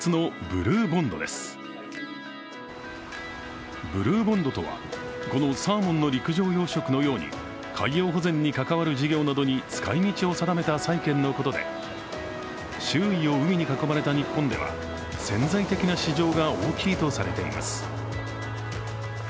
ブルーボンドとは、このサーモンの陸上養殖のように海洋保全に関わる事業などに使い道を定めた債券のことで周囲を海に囲まれた日本では潜在的な市場が大きいとされています。